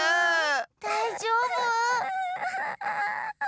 だいじょうぶ？